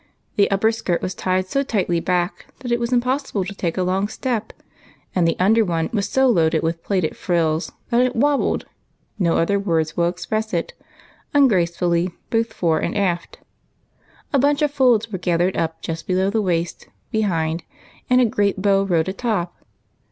The upper skirt was tied so tightly back that it was impossible to take a long step, and the under one was so loaded with plaited frills that it " wobbled "— no other word will express it — ungracefully, both fore and aft. A bunch of folds was gathered up just below the waist behind, and a great bow rode a top.